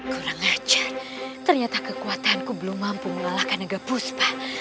kurang ajar ternyata kekuatanku belum mampu melalakan naga puspa